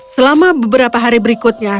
selama beberapa hari berikutnya